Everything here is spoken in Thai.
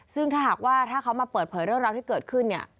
ซึ่งถ้าหากว่าถ้าเขามาเปิดเผยเรื่องราวที่เกิดขึ้นเนี่ย